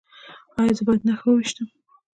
ایا زه باید نښه وویشتم؟